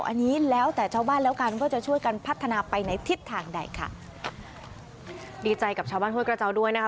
อันนี้แล้วแต่ชาวบ้านแล้วกันว่าจะช่วยกันพัฒนาไปในทิศทางใดค่ะดีใจกับชาวบ้านห้วยกระเจ้าด้วยนะคะ